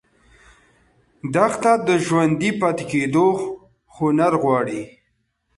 دښته د ژوندي پاتې کېدو هنر غواړي.